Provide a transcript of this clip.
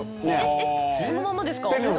えっそのままですか？